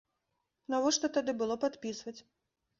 Навошта тады было падпісваць?